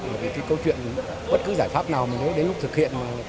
bởi vì cái câu chuyện bất cứ giải pháp nào đến lúc thực hiện